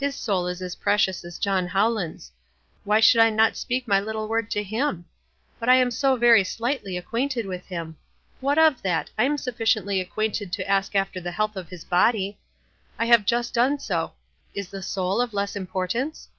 His 6oul is as precious as John Howland's. Why should I not speak my little word to him ? But [ am so very slightly acquainted with him. 186 WISE AND OTHERWISE. What of that? I am sufficiently acquainted to ask after the health of his body. I have jvist done so. Is the sonl of less importance?